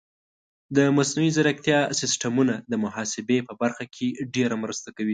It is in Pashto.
د مصنوعي ځیرکتیا سیستمونه د محاسبې په برخه کې ډېره مرسته کوي.